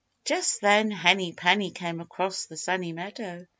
_ Page 43] Just then Henny Penny came across the Sunny Meadow.